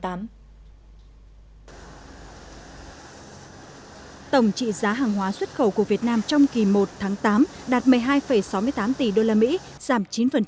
tổng trị giá hàng hóa xuất khẩu của việt nam trong kỳ một tháng tám đạt một mươi hai sáu mươi tám tỷ usd giảm chín